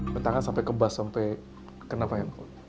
bertangga sampai kebas sampai kenapa ya